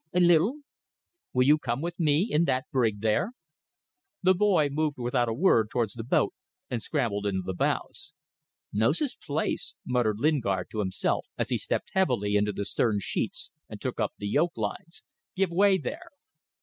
"A little." "Will you come with me, in that brig there?" The boy moved without a word towards the boat and scrambled into the bows. "Knows his place," muttered Lingard to himself as he stepped heavily into the stern sheets and took up the yoke lines. "Give way there."